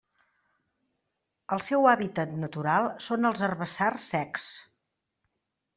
El seu hàbitat natural són els herbassars secs.